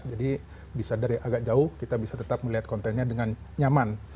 jadi bisa dari agak jauh kita bisa tetap melihat kontennya dengan nyaman